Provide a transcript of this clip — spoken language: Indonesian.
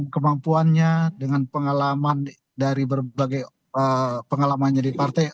kemampuannya dengan pengalaman dari berbagai pengalamannya di partai